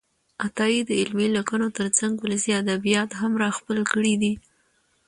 عطايي د علمي لیکنو ترڅنګ ولسي ادبیات هم راخپل کړي دي.